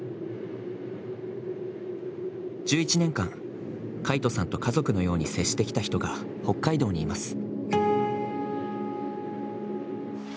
１１年間、魁翔さんと家族のように接してきた人が北海道にいます。